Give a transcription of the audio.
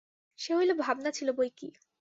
সে হইলে ভাবনা ছিল বৈকি।